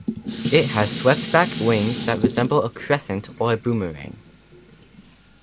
It has swept-back wings that resemble a crescent or a boomerang.